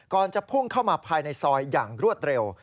จะพุ่งเข้ามาภายในซอยอย่างรวดเร็ว